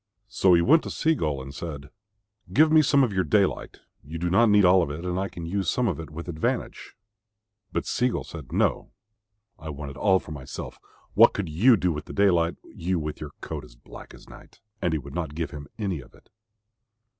So he went to Sea gull and said, "Give me some of your daylight. You do not need it all and I can use some of it with advantage." But Sea gull said, "No. I want it all for myself. What could you do with daylight, you with your coat as black as night?" and he would not give him any of it.